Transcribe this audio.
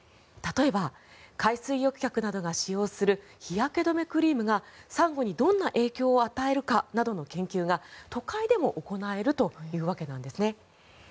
例えば、海水浴客などが使用する日焼け止めクリームがサンゴにどんな影響を与えるかなどの研究が都会でも行われるというわけなんですね。